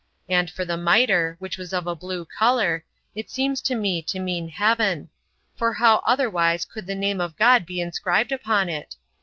And for the mitre, which was of a blue color, it seems to me to mean heaven; for how otherwise could the name of God be inscribed upon it?